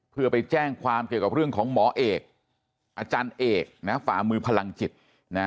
เพื่อไปแจ้งความเกี่ยวกับเรื่องของหมอเอกอาจารย์เอกนะฝ่ามือพลังจิตนะ